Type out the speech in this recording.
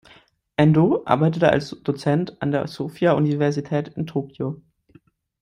Endō arbeitete als Dozent an der Sophia-Universität in Tokio.